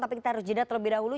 tapi kita harus jedat lebih dahulu